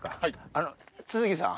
あの都築さん。